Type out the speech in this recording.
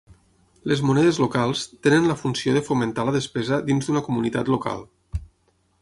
Les monedes locals tenen la funció de fomentar la despesa dins d'una comunitat local.